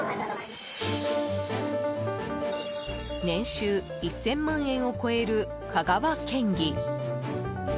年収１０００万円を超える香川県議。